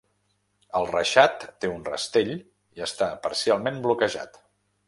El reixat té un rastell i està parcialment bloquejat.